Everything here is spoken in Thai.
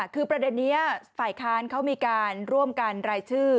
คือประเด็นนี้ฝ่ายค้านเขามีการร่วมกันรายชื่อ